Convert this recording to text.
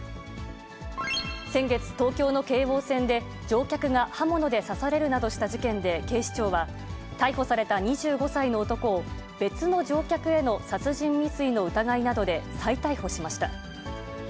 先月、東京の京王線で乗客が刃物で刺されるなどした事件で警視庁は、逮捕された２５歳の男を、別の乗客への殺人未遂の疑いなどで再逮捕しました。